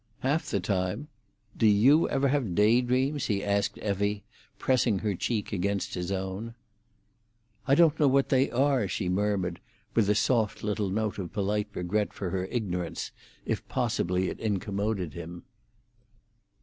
"Half the time. Do you ever have day dreams?" he asked Effie, pressing her cheek against his own. "I don't know what they are," she murmured, with a soft little note of polite regret for her ignorance, if possibly it incommoded him.